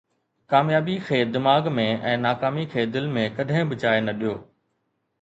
ڪاميابي کي دماغ ۾۽ ناڪامي کي دل ۾ ڪڏهن به جاءِ نه ڏيو